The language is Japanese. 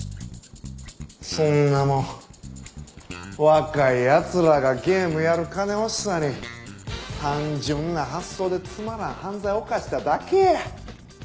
そんなもん若い奴らがゲームやる金欲しさに単純な発想でつまらん犯罪犯しただけや。